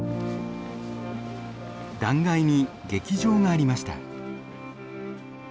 断崖に劇場がありました。